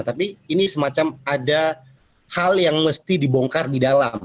tapi ini semacam ada hal yang mesti dibongkar di dalam